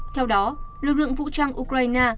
theo đó lực lượng vũ trang ukraine